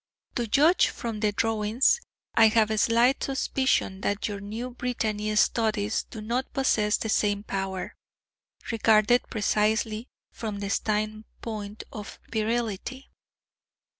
To judge from the drawings I have a slight suspicion that your new Brittany studies do not possess the same power, regarded precisely from the standpoint of virility.